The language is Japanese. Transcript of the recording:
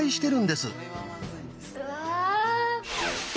うわ。